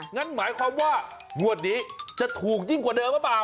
งั้นหมายความว่างวดนี้จะถูกยิ่งกว่าเดิมหรือเปล่า